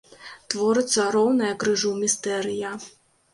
Творыцца роўная крыжу містэрыя.